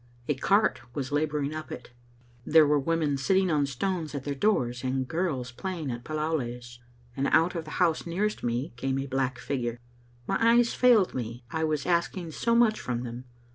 A cart was laboring up it. There were women sitting on stones at their doors, and girls playing at palaulays, and out of the house nearest me came a black figure. My eyes failed me; I was asking so much from them.